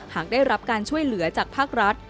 หากได้รับการช่วยเหลือจากภาครัฐ